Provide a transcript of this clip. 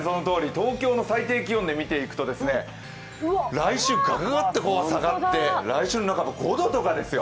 東京の最低気温で見ていきますと、来週がががっと下がって来週の半ばは５度とかですよ。